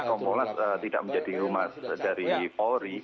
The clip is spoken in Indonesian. kompolnas tidak menjadi humas dari polri